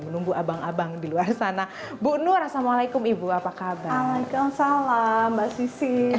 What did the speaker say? menunggu abang abang di luar sana bu nur assalamualaikum ibu apa kabar waalaikumsalam mbak sisi